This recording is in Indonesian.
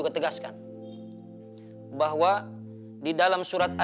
ya udah kita pasal sudah